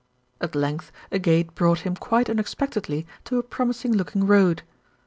At length a gate brought him quite unexpectedly to a promising looking road.